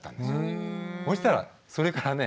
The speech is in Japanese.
そしたらそれからね